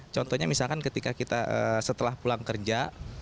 contohnya misalkan ketika kita setelah pulang kerja